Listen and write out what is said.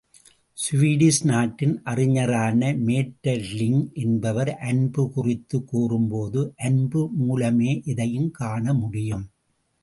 Swedish நாட்டின் அறிஞரான matter link என்பவர், அன்பு குறித்து கூறும்போது, அன்பு மூலமே எதையும் காண முடியும்.